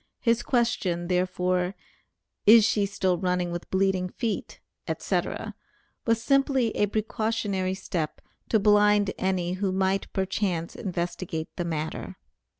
His question, therefore, "is she still running with bleeding feet," etc., was simply a precautionary step to blind any who might perchance investigate the matter.